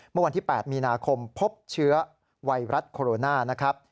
เมื่อวันที่๘มีนาคมพบเชื้อวัยรัฐโคโรนา